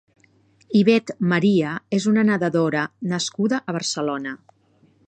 Ivette María és una nedadora nascuda a Barcelona.